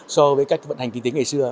so với các vận hành kinh tế ngày xưa